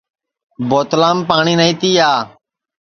بوتلام پاٹؔی نائی تِیا